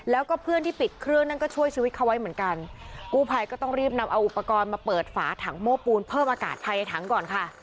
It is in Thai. แล้วก็เพื่อนที่ปิดเครื่องนั่นก็ช่วยชีวิตเขาไว้เหมือนกันกู้ภัยก็ต้องรีบนำเอาอุปกรณ์มาเปิดฝาถังโม้ปูนเพิ่มอากาศภายในถังก่อนค่ะ